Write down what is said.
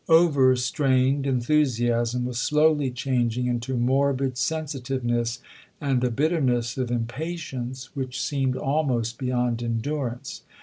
Overstrained enthusiasm was slowly changing into morbid sensitiveness and a bitterness of im patience which seemed almost beyond endui'ance.